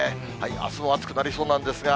あすも暑くなりそうなんですが。